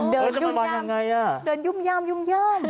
เดินยุ่มย่ามยุ่มย่าม